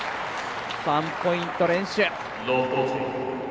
３ポイント連取。